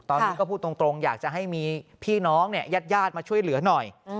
ตอนนี้ก็พูดตรงอยากจะให้มีพี่น้องเนี่ยญาติมาช่วยเหลือหน่อย